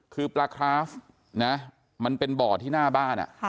คือปลาคราฟนะมันเป็นบ่อที่หน้าบ้าน